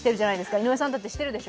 井上さんだって、してるでしょ？